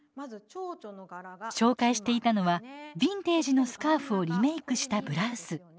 紹介していたのはビンテージのスカーフをリメークしたブラウス。